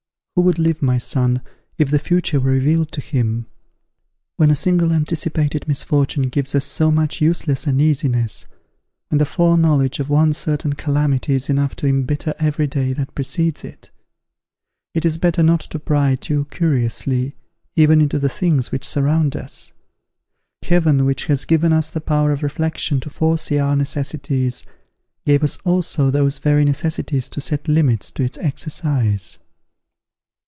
_ Who would live, my son, if the future were revealed to him? when a single anticipated misfortune gives us so much useless uneasiness when the foreknowledge of one certain calamity is enough to embitter every day that precedes it! It is better not to pry too curiously, even into the things which surround us. Heaven, which has given us the power of reflection to foresee our necessities, gave us also those very necessities to set limits to its exercise.